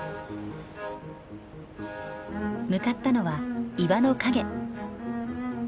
向かったのは岩の陰。